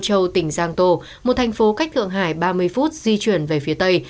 châu tỉnh giang tô một thành phố cách thượng hải ba mươi phút di chuyển về phía tây